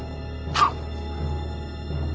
はっ！